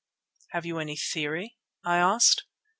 "Have you any theory?" I asked.